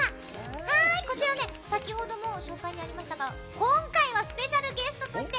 こちらは先ほどの紹介にありましたが今回はスペシャルゲストととして